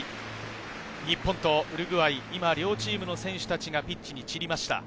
日本とウルグアイ、今両チームの選手たちがピッチに散りました。